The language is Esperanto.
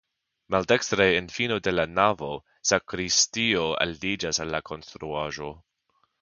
Maldekstre en fino de la navo sakristio aliĝas al la konstruaĵo.